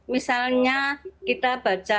misalnya kita baca